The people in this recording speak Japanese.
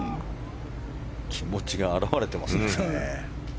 気持ちが表れていますね。